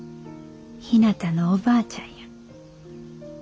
ひなたのおばあちゃんや。